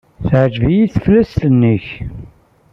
Teɛjeb-iyi teflest-nnek.